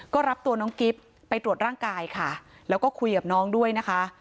ก็รับตัวน้องกิ๊บไปตรวจร่างกายค่ะแล้วก็คุยกับน้องด้วยนะคะ